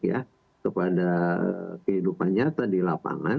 ya kepada kehidupannya di lapangan